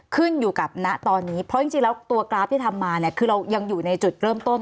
ขึ้นอยู่กับณตอนนี้เพราะจริงแล้วตัวกราฟที่ทำมาเนี่ยคือเรายังอยู่ในจุดเริ่มต้น